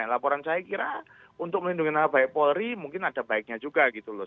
laporan saya kira untuk melindungi nama baik polri mungkin ada baiknya juga gitu loh